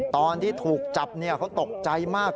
ตอนที่ถูกจับเขาตกใจมาก